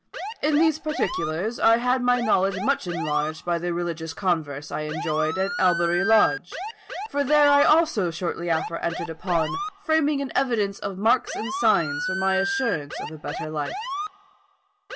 In these particulars, I had my knowledge much enlarged by the religious converse I enjoyed at Albury Lodge, for there also I shortly after entered upon framing an evidence of marks and signs for my assurance of a better life.